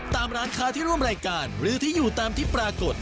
ตามร้านค้าที่ร่วมรายการหรือที่อยู่ตามที่ปรากฏ